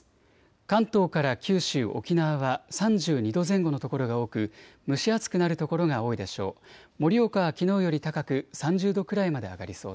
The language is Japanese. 関東から九州、沖縄は３２度前後の所が多く蒸し暑くなる所が多いでしょう。